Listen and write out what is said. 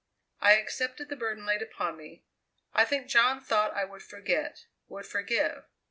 I accepted the burden laid upon me. I think John thought I would forget, would forgive.